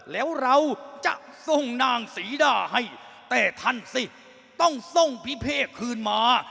แล้วเราจะส่งนางศรีดาให้แต่ท่านสิต้องทรงพิเพศคืนมา